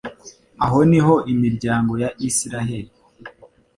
Aho ni ho imiryango ya Israheli